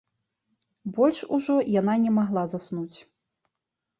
Больш ужо яна не магла заснуць.